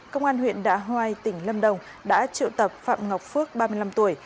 công an huyện đạ hoai tỉnh lâm đồng đã triệu tập phạm ngọc phước ba mươi năm tuổi